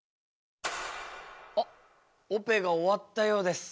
あっオペが終わったようです。